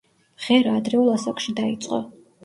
მღერა ადრეულ ასაკში დაიწყო.